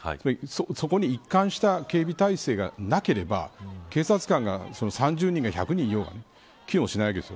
そこに一貫した警備体制がなければ警察官が３０人が１００人いようが機能しないです。